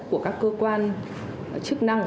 của các cơ quan